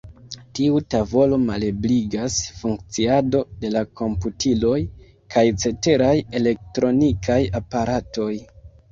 Tiu tavolo malebligas funkciado de la komputiloj kaj ceteraj elektronikaj aparatoj.